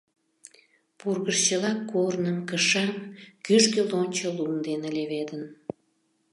Пургыж чыла корным, кышам кӱжгӧ лончо лум дене леведын.